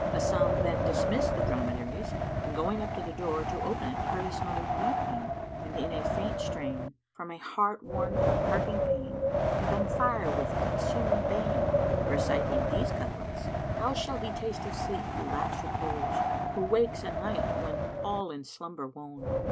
Hasan then dismissed the dromedaries and, going up to the door to open it, heard his mother weeping and in a faint strain, from a heart worn with parting pain and on fire with consuming bane, reciting these couplets, "How shall he taste of sleep who lacks repose * Who wakes a night when all in slumber wone?